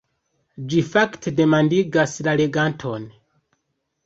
Ĝi fakte demandigas la leganton.